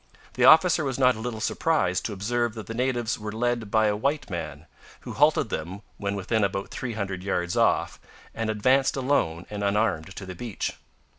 The officer was not a little surprised to observe that the natives were led by a white man, who halted them when within about three hundred yards off, and advanced alone and unarmed to the beach.